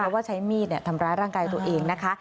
ว่าใช้มีดทำร้ายร่างกายตัวเองนะคะ